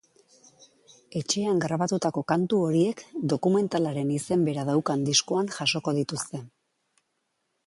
Etxean grabatutako kantu horiek dokumentalaren izen bera daukan diskoan jasoko dituzte.